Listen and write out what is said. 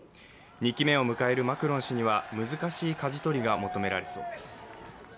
２期目を迎えるマクロン氏には難しいかじ取りが求められそうです。